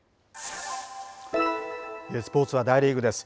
スポーツは大リーグです。